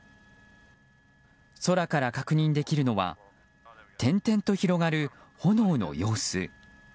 空から確認できるのは点々と広がる炎の様子。